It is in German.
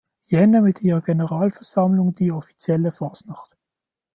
Jänner mit ihrer Generalversammlung die offizielle Fasnacht.